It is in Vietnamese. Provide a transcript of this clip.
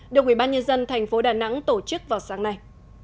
được ubnd tp đà nẵng tổ chức vào sáng nay